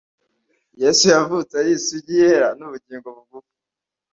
Yesu yavutse arisugi yera Nubugingo bugufi